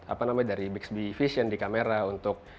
apa namanya dari bixby vision di kamera untuk